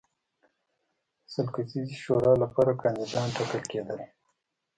د سل کسیزې شورا لپاره کاندیدان ټاکل کېدل.